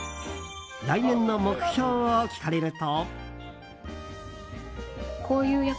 来年の目標を聞かれると。